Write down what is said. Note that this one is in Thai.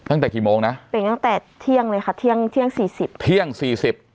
ตั้งแต่กี่โมงนะเป็นตั้งแต่เที่ยงเลยค่ะเที่ยงเที่ยงสี่สิบเที่ยงสี่สิบ